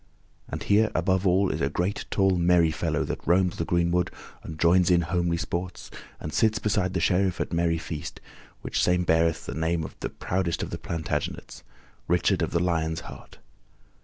And here, above all, is a great, tall, merry fellow that roams the greenwood and joins in homely sports, and sits beside the Sheriff at merry feast, which same beareth the name of the proudest of the Plantagenets Richard of the Lion's Heart.